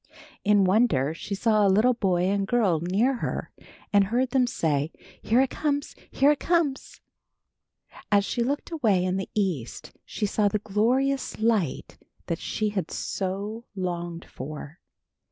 In wonder, she saw a little boy and girl near her and heard them say, "Here it comes! Here it comes!" As she looked away in the east she saw the glorious light that she had so longed for.